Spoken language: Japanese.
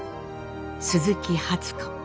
鈴木初子。